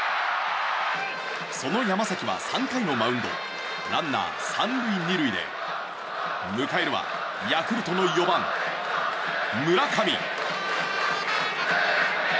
その山崎は３回のマウンドランナー３塁２塁で迎えるはヤクルトの４番、村上。